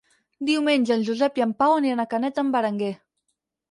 Diumenge en Josep i en Pau aniran a Canet d'en Berenguer.